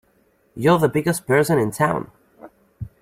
You're the biggest person in town!